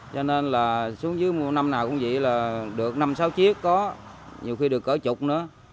vậy là được năm sáu chiếc có nhiều khi được cỡ chục nữa